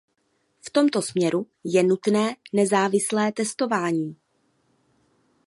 V tomto směru je nutné nezávislé testování.